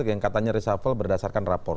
yang katanya reshuffle berdasarkan rapor